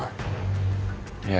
gue pasti kebantuin lo